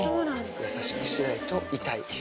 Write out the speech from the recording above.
優しくしないと痛い。